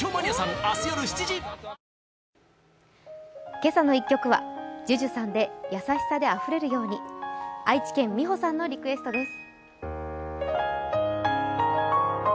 「けさの１曲」はＪＵＪＵさんで「やさしさで溢れるように」。愛知県みほさんのリクエストです。